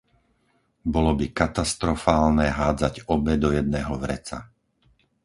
Bolo by katastrofálne hádzať obe do jedného vreca.